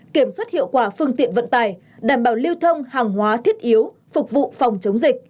kiểm soát hiệu quả phương tiện vận tải đảm bảo lưu thông hàng hóa thiết yếu phục vụ phòng chống dịch